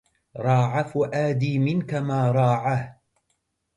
راع فؤادي منك ما راعه